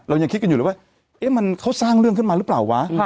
เรายังคิดกันอยู่เลยว่าเอ๊ะมันเขาสร้างเรื่องขึ้นมาหรือเปล่าวะค่ะ